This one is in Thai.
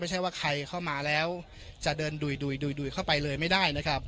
ไม่ใช่ว่าใครเข้ามาแล้วจะเดินดุยเข้าไปเลยไม่ได้นะครับ